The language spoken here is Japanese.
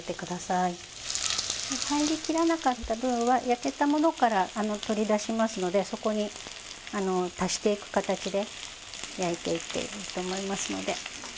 入りきらなかった分は焼けたものから取り出しますのでそこに足していく形で焼いていっていいと思いますので。